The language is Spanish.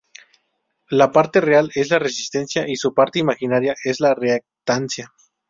La parte real es la resistencia y su parte imaginaria es la reactancia.